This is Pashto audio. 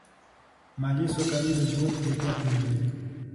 مالي سوکالي د ژوند کیفیت لوړوي.